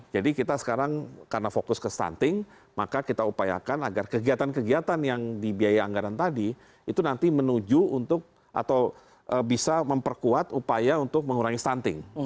jadi kita sekarang karena fokus ke stunting maka kita upayakan agar kegiatan kegiatan yang dibiayai anggaran tadi itu nanti menuju untuk atau bisa memperkuat upaya untuk mengurangi stunting